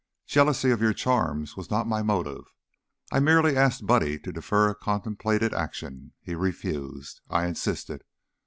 Jealousy of your charms was not my motive; I merely asked Buddy to defer a contemplated action. He refused; I insisted.